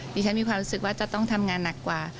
มีความรู้สึกว่าจะต้องทำงานหนักกว่า